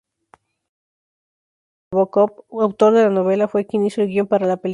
Vladimir Nabokov, autor de la novela, fue quien hizo el guion para la película.